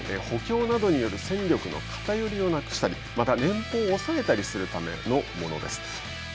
補強などによる戦力の偏りをなくしたりまた年俸を抑えたりするためのものです。